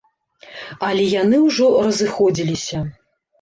Але яны ўжо разыходзіліся.